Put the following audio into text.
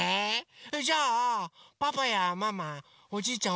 それじゃあパパやママおじいちゃん